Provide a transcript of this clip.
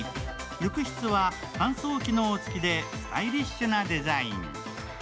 浴室は乾燥機能付きでスタイリッシュなデザイン。